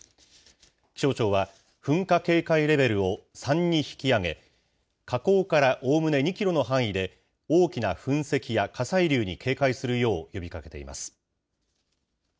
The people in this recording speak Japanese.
気象庁は噴火警戒レベルを３に引き上げ、火口からおおむね２キロの範囲で大きな噴石や火砕流に警戒するよう呼びかけています。